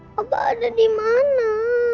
papa ada dimana